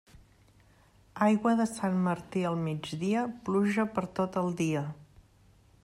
Aigua de Sant Martí al migdia, pluja per tot el dia.